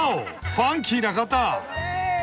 ファンキーな方！